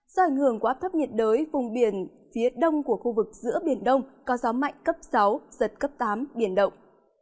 do ảnh hưởng của áp thấp nhiệt đới vùng biển phía đông của khu vực giữa biển đông có gió mạnh cấp sáu giật cấp tám biển động